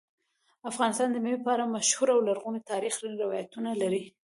افغانستان د مېوو په اړه مشهور او لرغوني تاریخی روایتونه لري.